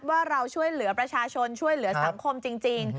ว่าเราช่วยเหลือประชาชนช่วยเหลือสังคมจริง